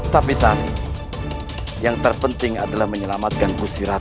tapi saat ini yang terpenting adalah menyelamatkan busti ratu